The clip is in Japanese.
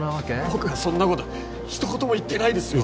僕はそんなこと一言も言ってないですよ